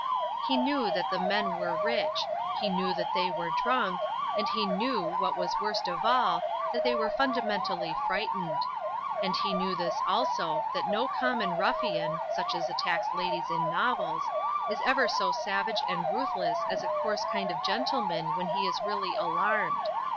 He knew that the men were rich; he knew that they were drunk; and he knew, what was worst of all, that they were fundamentally frightened. And he knew this also, that no common ruffian (such as attacks ladies in novels) is ever so savage and ruthless as a coarse kind of gentleman when he is really alarmed.